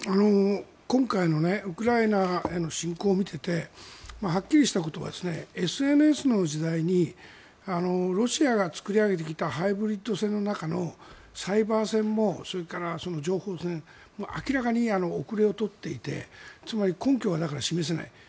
今回のウクライナへの侵攻を見ててはっきりしたことはＳＮＳの時代にロシアが作り上げてきたハイブリッド戦の中のサイバー戦もそれから情報戦明らかに後れを取っていてつまり根拠は示せない。